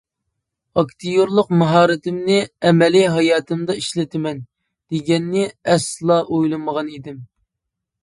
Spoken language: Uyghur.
ئاكتىيورلۇق ماھارىتىمنى ئەمەلىي ھاياتىمدا ئىشلىتىمەن دېگەننى ئەسلا ئويلىمىغان ئىدىم.